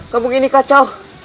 kampung ini kacau